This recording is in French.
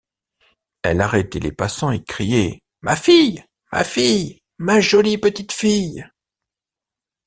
Elle arrêtait les passants et criait: Ma fille! ma fille ! ma jolie petite fille !